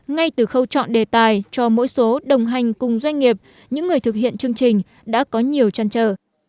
ngay từ khâu chọn đề tài cho mỗi số đồng hành cùng doanh nghiệp những người thực hiện chương trình đã có nhiều trăn trở